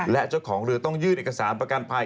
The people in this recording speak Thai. และเจ้าของเรือต้องยื่นเอกสารประกันภัย